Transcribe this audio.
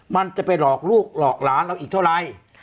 มันจะไปหลอกลูกหลอกหลานเราอีกเท่าไร